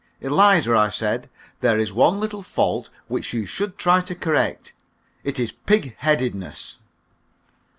"Eliza," I said, "there is one little fault which you should try to correct. It is pigheadedness."